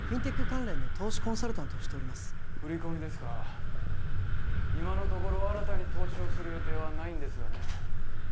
関連の投資コンサルタントをしております売り込みですか今のところ新たに投資をする予定はないんですがね